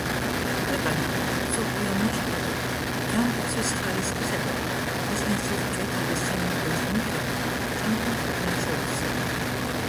ქვეყანა, მსოფლიო მასშტაბით, ჯანდაცვის ხარისხისა და ბიზნესის კეთების სიმარტივის მიხედვით, წამყვან ქვეყნებს შორისაა.